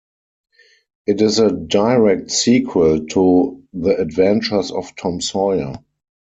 It is a direct sequel to "The Adventures of Tom Sawyer".